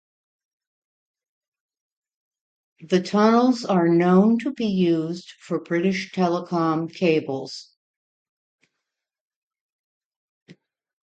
The tunnels are known to be used for British Telecom cables.